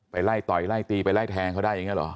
ไล่ต่อยไล่ตีไปไล่แทงเขาได้อย่างนี้เหรอ